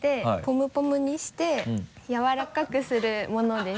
むぽむにしてやわらかくするものです。